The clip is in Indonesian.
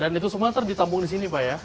dan itu semua nanti ditampung di sini pak ya